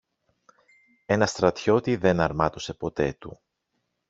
Ένα στρατιώτη δεν αρμάτωσε ποτέ του.